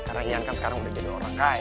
karena ian kan sekarang udah jadi orang kaya